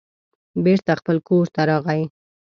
بېرته خپل کور ته راغی.